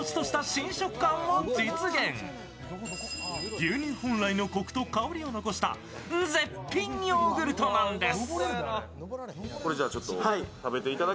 牛乳本来のこくと香りを残した絶品ヨーグルトなんです。